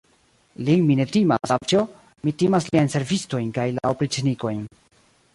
Lin mi ne timas, avĉjo, mi timas liajn servistojn kaj la opriĉnikojn.